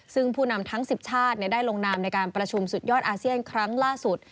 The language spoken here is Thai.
ซึ่งผู้นำทั้ง๑๐ชาติได้ลงนามในการประชุมสุดยอดอาเซียนครั้งล่าสุด